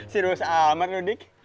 serius amat loh dik